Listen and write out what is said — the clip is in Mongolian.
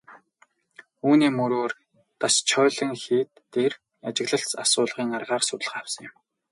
Үүний мөрөөр Дашчойлин хийд дээр ажиглалт асуулгын аргаар судалгаа авсан юм.